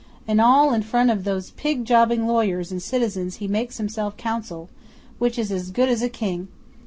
and all in front of these pig jobbing lawyers and citizens he makes himself Consul, which is as good as a King.